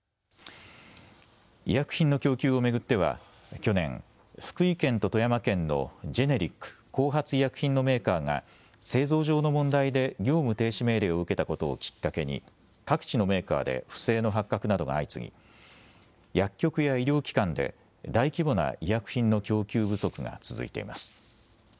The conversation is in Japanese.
医薬品の供給を巡っては去年、福井県と富山県のジェネリック・後発医薬品のメーカーが製造上の問題で業務停止命令を受けたことをきっかけに各地のメーカーで不正の発覚などが相次ぎ薬局や医療機関で大規模な医薬品の供給不足が続いています。